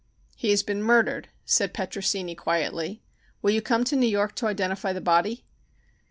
"He has been murdered," said Petrosini quietly. "Will you come to New York to identify the body?"